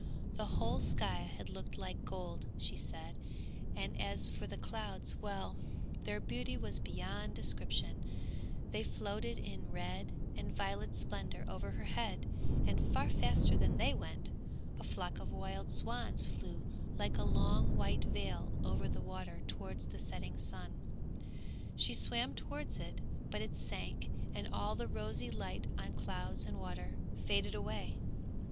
The whole sky had looked like gold, she said, and as for the clouds! well, their beauty was beyond description; they floated in red and violet splendour over her head, and, far faster than they went, a flock of wild swans flew like a long white veil over the water towards the setting sun; she swam towards it, but it sank and all the rosy light on clouds and water faded away.